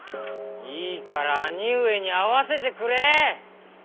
いいから兄上に会わせてくれ。